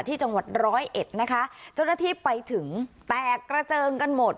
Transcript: ที่จังหวัดร้อยเอ็ดนะคะเจ้าหน้าที่ไปถึงแตกกระเจิงกันหมด